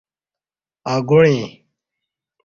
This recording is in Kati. اَگوعیں